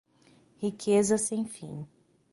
Riqueza sem fim